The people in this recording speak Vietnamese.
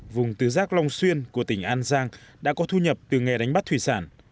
vùng tứ giác long xuyên của tỉnh an giang đã có thu nhập từ nghề đánh bắt thủy sản